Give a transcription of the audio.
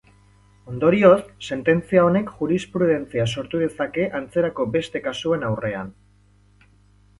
Ondorioz, sententzia honek jurisprudentzia sortu dezake antzerako beste kasuen aurrean.